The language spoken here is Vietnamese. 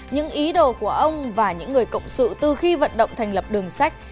những ý đồ của ông và những người cộng sự từ khi vận động thành lập đường sách